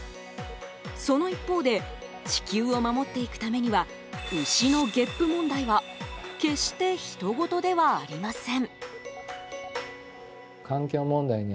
その一方で地球を守っていくためには牛のげっぷ問題は決してひとごとではありません。